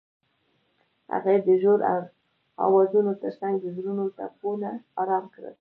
هغې د ژور اوازونو ترڅنګ د زړونو ټپونه آرام کړل.